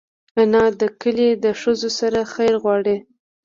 انا د کلي له ښځو سره خیر غواړي